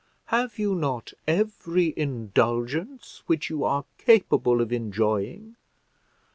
Have you not every indulgence which you are capable of enjoying?